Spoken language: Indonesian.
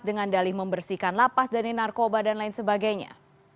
dengan dalih membersihkan lapas dari narkoba dan lain sebagainya